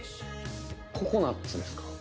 ココナツですか？